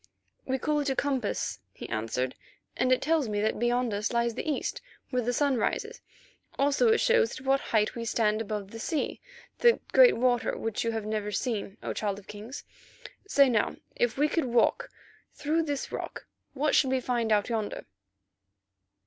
"We call it a compass," he answered, "and it tells me that beyond us lies the east, where the sun rises; also it shows at what height we stand above the sea, that great water which you have never seen, O Child of Kings. Say now, if we could walk through this rock, what should we find out yonder?"